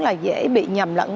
là dễ bị nhầm lẫn